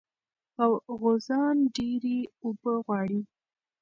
غوزان ډېرې اوبه غواړي.